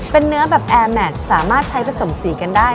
เป็นเนื้อแบบแอร์แมทสามารถใช้ผสมสีกันได้